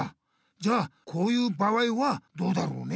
じゃあこういう場合はどうだろうね？